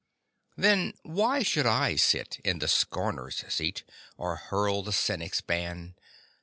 Then why should I sit in the scorner's seat Or hurl the cynic's ban?